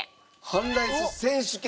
半ライス選手権？